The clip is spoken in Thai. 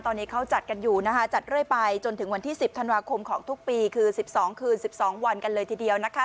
ตอนนี้เขาจัดกันอยู่นะคะจัดเรื่อยไปจนถึงวันที่๑๐ธันวาคมของทุกปีคือ๑๒คืน๑๒วันกันเลยทีเดียวนะคะ